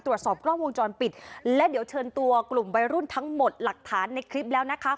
ตรวจสอบกล้องวงจรปิดและเดี๋ยวเชิญตัวกลุ่มวัยรุ่นทั้งหมดหลักฐานในคลิปแล้วนะคะ